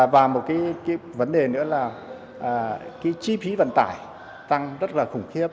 và một cái vấn đề nữa là cái chi phí vận tải tăng rất là khủng khiếp